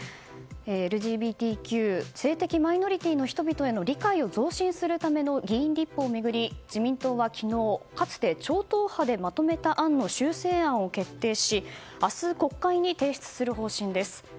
ＬＧＢＴＱ性的マイノリティーの人への理解を増進するための議員立法を巡り自民党は昨日、かつて超党派でまとめた案の修正案を決定し明日国会に提出する方針です。